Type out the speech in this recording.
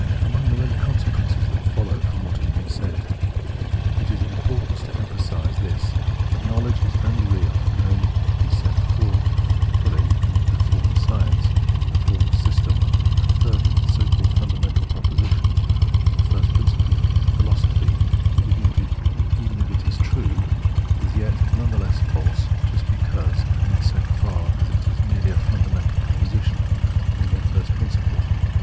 «^ Among the many consequences that follow from what has been said, it is of importance to emphasise this, that knowledge is only real and can only be set forth fully in the form of science, in the form of system ; and further, that a so called fundamental proposition or first principle of philosophy, even if it is true, is yet none the less false just because and in so far as it is merely a fundamental proposition, merely a first prin ciple.